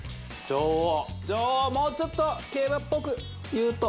女王をもうちょっと競馬っぽく言うと？